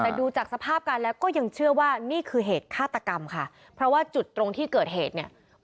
แต่ดูจากสภาพการแล้วก็ยังเชื่อว่านี่คือเหตุฆาตกรรมค่ะเพราะว่าจุดตรงที่เกิดเหตุเนี่ย